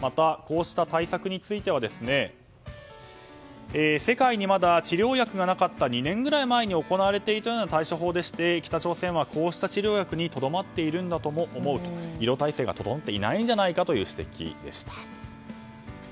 またこうした対策については世界にまだ治療薬がなかった２年くらい前に行われていたような対処法でして北朝鮮はこうした治療薬にとどまっているんだとも思うと医療体制が整っていないんじゃないかという指摘でした。